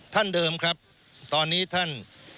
ท่านเดิมครับตอนนี้ท่าน